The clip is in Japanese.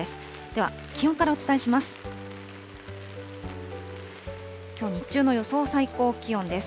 では、気温からお伝えします。